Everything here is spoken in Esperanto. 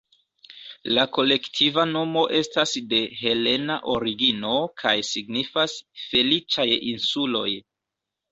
La kolektiva nomo estas de helena origino kaj signifas "feliĉaj insuloj".